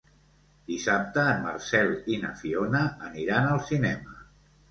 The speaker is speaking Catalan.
Dissabte en Marcel i na Fiona aniran al cinema.